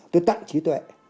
tôi tặng trí tuệ